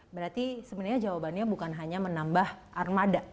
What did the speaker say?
berarti sebenarnya jawabannya bukan hanya menambah armada